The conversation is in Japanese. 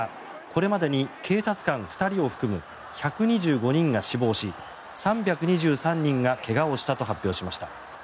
これまでに警察官２人を含む１２５人が死亡し３２３人が怪我をしたと発表しました。